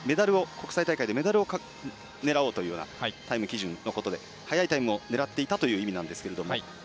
国際大会でメダルを狙おうというようなタイム基準のことで早いタイムを狙っていたということなんですけど。